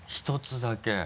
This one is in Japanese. １つだけ？